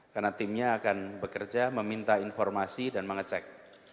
karena timnya akan bekerja meminta informasi dan mengecek